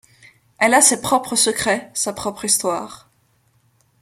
Elle a ses propres secrets, sa propre histoire.